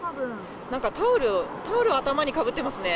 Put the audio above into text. なんかタオルを頭にかぶってますね。